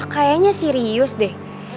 kayaknya sirius deh